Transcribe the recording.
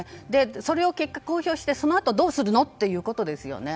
これを公表してそのあとどうするの？ということですよね。